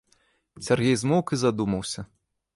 Сяргей змоўк і задумаўся.